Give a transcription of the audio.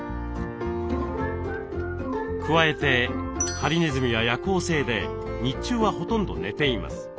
加えてハリネズミは夜行性で日中はほとんど寝ています。